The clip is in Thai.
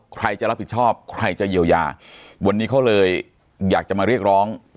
ใครจะรับผิดชอบใครจะเยียวยาวันนี้เขาเลยอยากจะมาเรียกร้อง